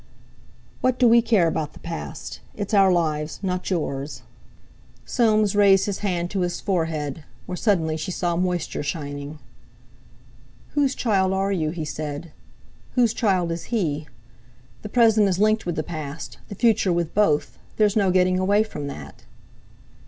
"What do we care about the past? It's our lives, not yours." Soames raised his hand to his forehead, where suddenly she saw moisture shining. "Whose child are you?" he said. "Whose child is he? The present is linked with the past, the future with both. There's no getting away from that."